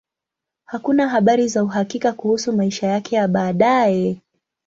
Hakuna habari za uhakika kuhusu maisha yake ya baadaye.